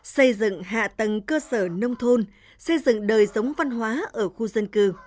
xây dựng hạ tầng cơ sở nông thôn xây dựng đời sống văn hóa ở quốc gia